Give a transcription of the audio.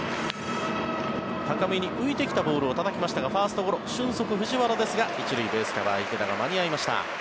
高めに浮いてきたボールをたたきましたがファーストゴロ俊足の藤原ですが１塁ベースカバー池田が間に合いました。